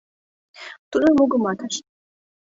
Тудо мугыматыш: